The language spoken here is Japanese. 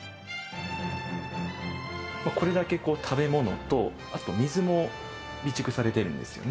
これだけ食べ物とあと水も備蓄されているんですよね。